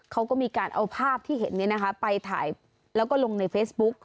เขาก็มีการเอาภาพที่เห็นไปถ่ายแล้วก็ลงในเฟซบุ๊ก